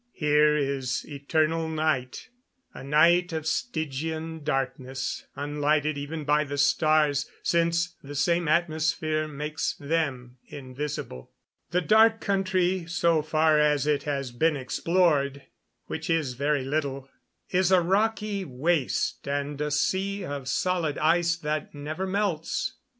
Here is eternal night a night of Stygian darkness, unlighted even by the stars, since the same atmosphere makes them invisible. The Dark Country, so far as it has been explored which is very little is a rocky waste and a sea of solid ice that never melts.